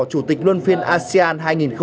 chủ tịch luân phiên asean hai nghìn hai mươi